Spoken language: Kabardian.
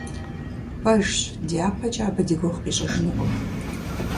Пэжщ, дяпэкӀэ абы ди гугъу къищӀыжынукъым.